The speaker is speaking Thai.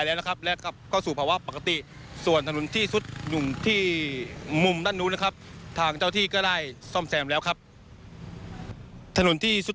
ยังไม่เหลือตัวว่าจะนำเฉยแปลง